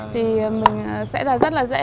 thì mình sẽ rất là dễ